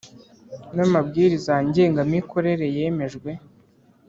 n amabwiriza ngengamikorere yemejwe